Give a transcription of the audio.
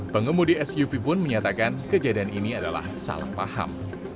pengemudi suv pun menyatakan kejadian ini adalah salah paham